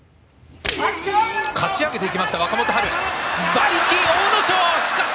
馬力の阿武咲。